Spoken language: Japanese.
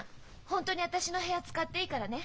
本当に私の部屋使っていいからね。